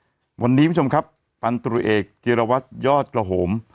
วันนี้คุณผู้ชมครับพันตุเอกจิรวัตรยอดกระโหม